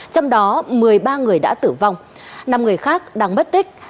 trong đó một mươi ba người đã tử vong năm người khác đang mất tích